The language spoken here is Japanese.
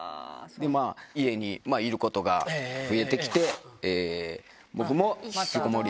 家にいることが増えてきて、僕も引きこもり。